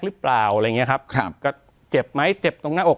หรือเปล่าอะไรอย่างเงี้ยครับครับก็เจ็บไหมเจ็บตรงหน้าอก